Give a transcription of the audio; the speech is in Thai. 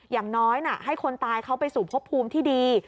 อย่างน้อยให้คนตายเขาไปสู่พบภูมิที่ดี